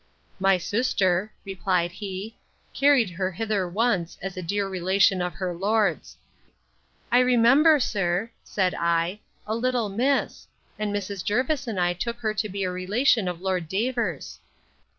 My sister, replied he, carried her thither once, as a near relation of her lord's. I remember, sir, said I, a little miss; and Mrs. Jervis and I took her to be a relation of Lord Davers.